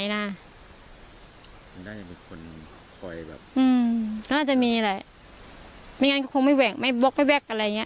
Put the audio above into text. แต่จู่มาก็